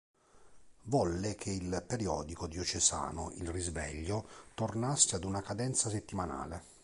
Volle che il periodico diocesano Il Risveglio tornasse ad una cadenza settimanale.